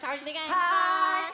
はい！